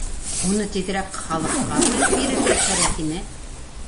Уны тиҙерәк халыҡҡа бүлеп бирергә кәрәк ине.